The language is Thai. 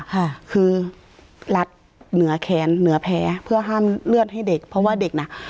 ค่ะคือรัดเหนือแขนเหนือแผลเพื่อห้ามเลือดให้เด็กเพราะว่าเด็กน่ะ